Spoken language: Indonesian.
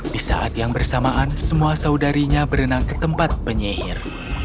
di saat yang bersamaan semua saudarinya berenang ke tempat penyihir